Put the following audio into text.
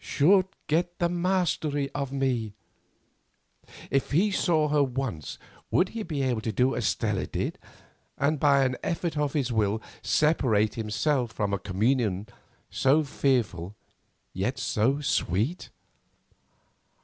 "Should get the mastery of me." If he saw her once would he be able to do as Stella did, and by an effort of his will separate himself from a communion so fearful yet so sweet?